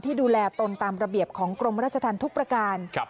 ดูแลตนตามระเบียบของกรมราชธรรมทุกประการ